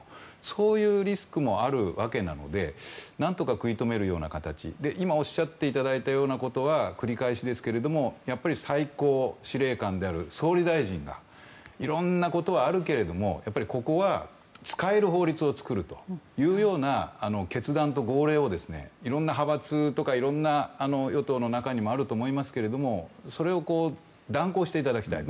そういうリスクもあるわけなので何とか食い止めるような形で今、おっしゃっていただいたようなことは繰り返しですけどやっぱり最高司令官である総理大臣がいろんなことはあるけれどもここは使える法律を作るというような決断と号令を、いろんな派閥とか与党の中にもあると思いますがそれを断行していただきたい。